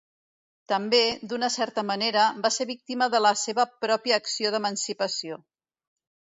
També, d'una certa manera, va ser víctima de la seva pròpia acció d'emancipació.